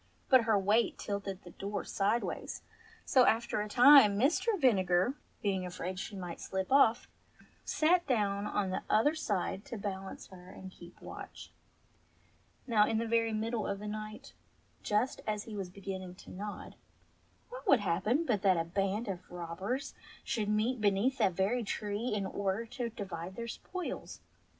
196 ENGLISH FAIRY TALES But her weight tilted the door sideways, so, after a time, Mr. Vinegar, being afraid she might shp off, sate down on the other side to balance her and keep watch. Now in the very middle of the night, just as he was be ginning to nod, what should happen but that a band of robbers should meet beneath that very tree in order to divide their spoils. Mr.